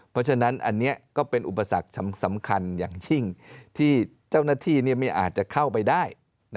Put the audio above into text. เพราะฉะนั้นอันนี้ก็เป็นอุปสรรคสำคัญอย่างยิ่งที่เจ้าหน้าที่ไม่อาจจะเข้าไปได้